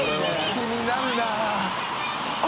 気になるな。